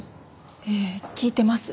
ええ聞いてます。